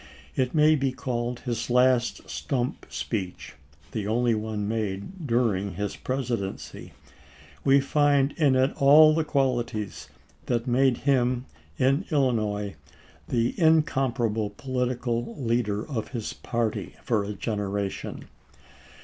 It may be called his last stump speech, the only one made during his Presidency. We find in it all the qualities that made him in Illinois the in comparable political leader of his party for a gen eration.